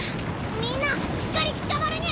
みんなしっかりつかまるニャ！